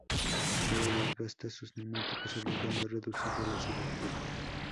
Pero desgasta tus neumáticos, obligando a reducir velocidad.